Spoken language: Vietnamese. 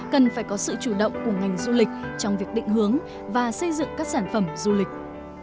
cần phải có sự chủ động của ngành du lịch trong việc định hướng và xây dựng các sản phẩm du lịch